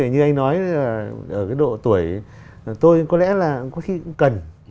như anh nói ở cái độ tuổi tôi có lẽ là có khi cũng cần